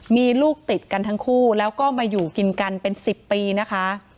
มีลูกติดกันทั้งคู่แล้วก็มาอยู่กินกันเป็น๑๐ปีนะคะ